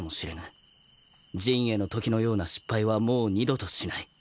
刃衛のときのような失敗はもう二度としない。